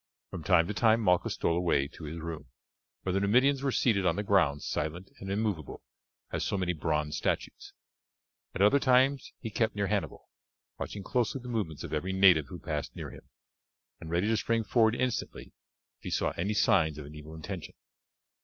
From time to time Malchus stole away to his room, where the Numidians were seated on the ground silent and immovable as so many bronze statues. At other times he kept near Hannibal, watching closely the movements of every native who passed near him; and ready to spring forward instantly if he saw any signs of an evil intention.